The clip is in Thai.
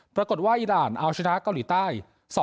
ปรากฏว่าอีด่านเอาชนะเกาหลีใต้